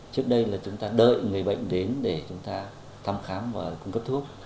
trước đây là chúng ta đợi người bệnh đến để chúng ta thăm khám và cung cấp thuốc